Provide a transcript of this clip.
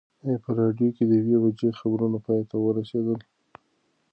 ایا په راډیو کې د یوې بجې خبرونه پای ته ورسېدل؟